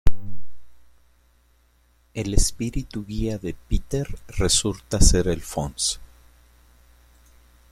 El espíritu guía de Peter resulta ser el Fonz.